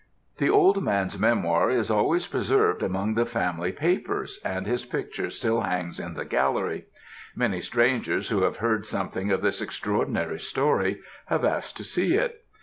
"The old man's memoir is always preserved amongst the family papers, and his picture still hangs in the gallery. Many strangers who have heard something of this extraordinary story, have asked to see it.